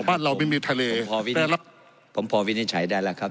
บ้านเราไม่มีทะเลผมพอวินิจฉัยได้แล้วครับ